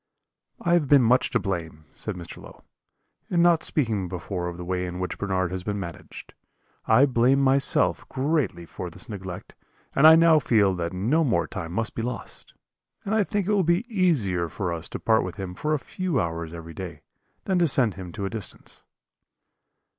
"'I have been much to blame,' said Mr. Low, 'in not speaking before of the way in which Bernard has been managed. I blame myself greatly for this neglect, and I now feel that no more time must be lost; and I think it will be easier for us to part with him for a few hours every day, than to send him to a distance.'